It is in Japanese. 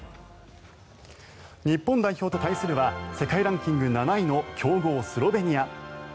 日本代表と対するは世界ランキング７位の強豪スロベニア。